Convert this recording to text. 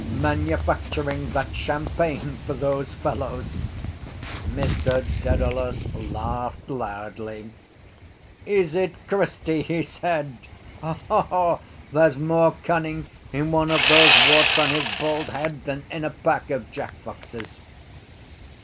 manufacturing that champagne for those fellows. Mr Dedalus laughed loudly. —Is it Christy? he said. There’s more cunning in one of those warts on his bald head than in a pack of jack foxes.